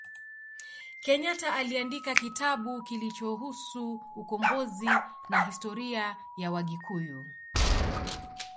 kenyata aliandika kitabu kilichohusu ukombozi na historia ya wagikuyu